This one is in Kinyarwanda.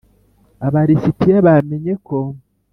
Aba lisitiya bamenye ko